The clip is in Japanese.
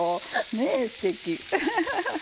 ねぇすてき。